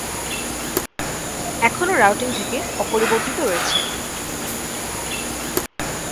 এখনও রাউটিং থেকে অপরিবর্তিত রয়েছে।